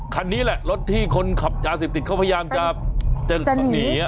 คันนี้แหละรถที่คนขับยาเสพติดเขาพยายามจะหนี